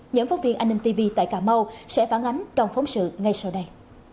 nhóm phóng viên an ninh tv tại cà mau sẽ phản ánh trong phóng sự ngay sau đây